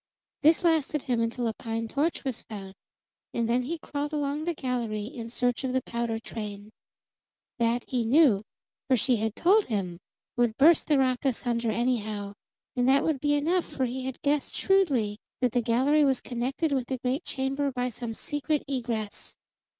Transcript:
This lasted him until a pine torch was found, and then he crawled along the gallery in search of the powder train. That, he knew, for she had told him, would burst the rock asunder anyhow; and that would be enough, for he had guessed shrewdly that the gallery was connected with the great chamber by some secret egress.